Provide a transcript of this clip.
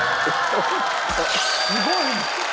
すごい！